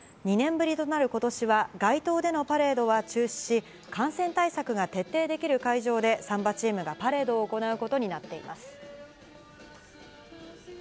２年ぶりとなることしは、街頭でのパレードは中止し、感染対策が徹底できる会場で、サンバチームがパレードを行うことになっています。